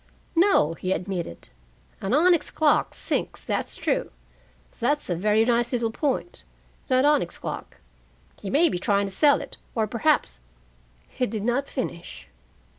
"No," he admitted. "An onyx clock sinks, that's true. That's a very nice little point, that onyx clock. He may be trying to sell it, or perhaps " He did not finish.